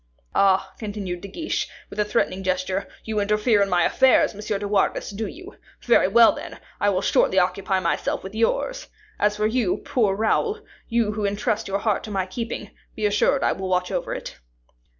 Ah!" continued De Guiche, with a threatening gesture, "you interfere in my affairs, Monsieur de Wardes, do you? Very well, then; I will shortly occupy myself with yours. As for you, poor Raoul, you who intrust your heart to my keeping, be assured I will watch over it."